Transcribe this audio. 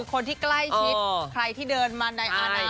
คนที่ใกล้ชิดใครที่เดินมาในอาไหน